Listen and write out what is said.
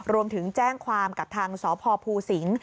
รวมถึงแจ้งความกับทางสพภูสิงศ์